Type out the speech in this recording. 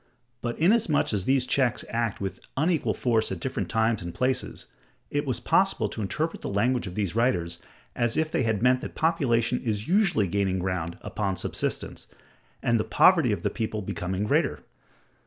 But inasmuch as these checks act with unequal force at different times and places, it was possible to interpret the language of these writers as if they had meant that population is usually gaining ground upon subsistence, and the poverty of the people becoming greater.